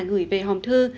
gửi về hòm thư